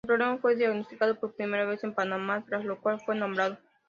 El problema fue diagnosticado por primera vez en Panamá tras lo cual fue nombrado.